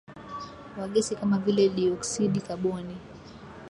wa gesi kama vile dioksidi kaboni